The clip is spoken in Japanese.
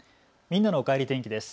みんなのおかえり天気です。